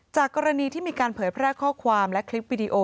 กรณีที่มีการเผยแพร่ข้อความและคลิปวิดีโอ